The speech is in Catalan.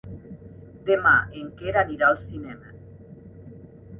Demà en Quer anirà al cinema.